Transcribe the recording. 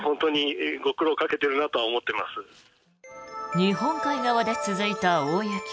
日本海側で続いた大雪。